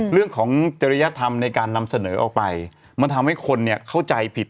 เรื่องของจริยธรรมในการนำเสนอออกไปมันทำให้คนเข้าใจผิด